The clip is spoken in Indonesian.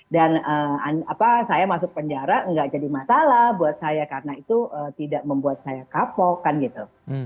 dan saya masuk penjara enggak jadi masalah buat saya karena itu tidak membuat saya kapok kan gitu